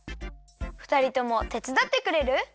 ふたりともてつだってくれる？